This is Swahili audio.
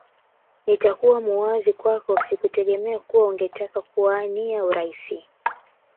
Nitakuwa muwazi kwako sikutegemea kuwa ungetaka kuwania urais